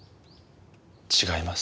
違います。